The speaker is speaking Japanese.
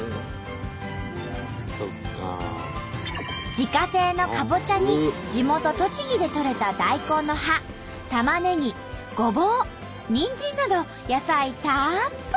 自家製のかぼちゃに地元栃木でとれた大根の葉たまねぎごぼうにんじんなど野菜たっぷり！